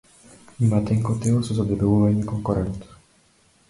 Има тенко тело со задебелување кон коренот.